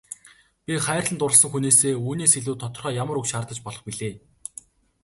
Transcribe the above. Би хайрлан дурласан хүнээсээ үүнээс илүү тодорхой ямар үг шаардаж болох билээ.